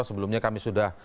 sebelumnya kami sudah